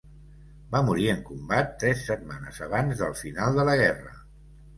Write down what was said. Va morir en combat tres setmanes abans del final de la guerra.